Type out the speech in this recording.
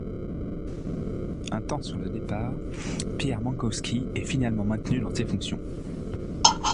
Un temps sur le départ, Pierre Mankowski est finalement maintenu dans ses fonctions.